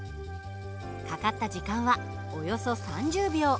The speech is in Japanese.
かかった時間はおよそ３０秒。